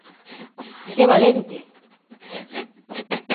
Que valente!